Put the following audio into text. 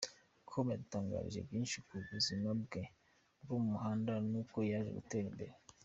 com, yadutangarije byinshi ku buzima bwe bwo mu muhanda n’uko yaje gutera imbere.